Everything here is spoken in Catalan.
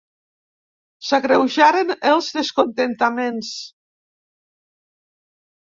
S'agreujaren els descontentaments.